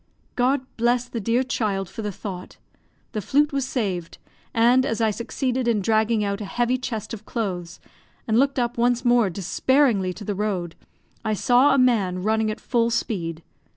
God bless the dear child for the thought! the flute was saved; and, as I succeeded in dragging out a heavy chest of cloths, and looked up once more despairingly to the road, I saw a man running at full speed.